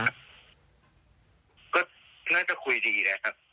ก็น่าจะคุยดีนะครับ